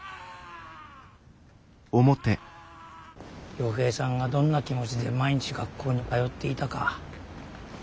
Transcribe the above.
・陽平さんがどんな気持ちで毎日学校に通っていたか。